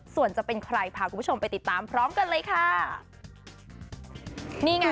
ส่วนจะเป็นใครพาคุณผู้ชมไปติดตามพร้อมกันเลยค่ะนี่ไง